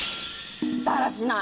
だらしない！